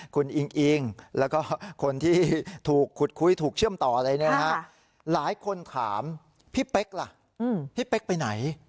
คุณอิงอิงแล้วก็คนที่ถูกขุดคุยถูกเชื่อมต่ออะไรเนี่ยนะฮะหลายคนถามพี่เป๊กล่ะพี่เป๊กไปไหน